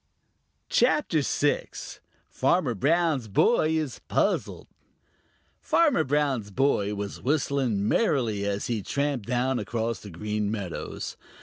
CHAPTER VI: Farmer Brown's Boy Is Puzzled Farmer Brown's boy was whistling merrily as he tramped down across the Green Meadows.